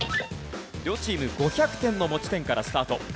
両チーム５００点の持ち点からスタート。